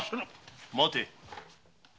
待て！